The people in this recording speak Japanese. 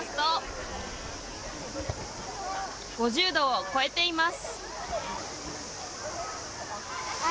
５０度を超えています。